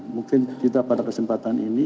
mungkin kita pada kesempatan ini